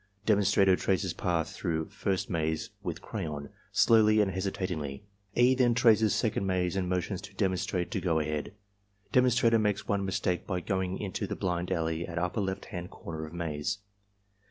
Demonstrator traces path through first maze with crayon, slowly and hesitatingly. E. then traces second maze and motions to demonstrator to go ahead. Dem onstrator makes one mistake by going into the blind alley at upper left hand comer of maze.